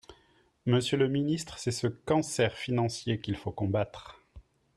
Monsieur le ministre, c’est ce cancer financier qu’il faut combattre.